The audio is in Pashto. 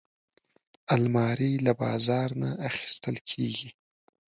الماري له بازار نه اخیستل کېږي